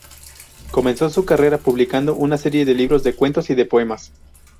Comenzó su carrera publicando una serie de libros de cuentos y de poemas.